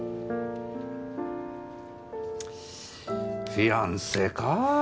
フィアンセか。